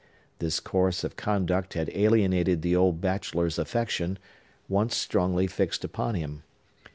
This course of conduct had alienated the old bachelor's affection, once strongly fixed upon him.